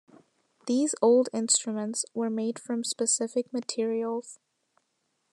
These old instruments were made from specific materials.